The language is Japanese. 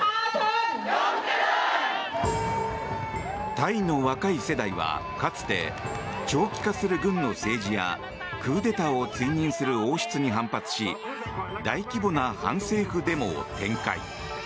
タイの若い世代はかつて長期化する軍の政治やクーデターを追認する王室に反発し大規模な反政府デモを展開。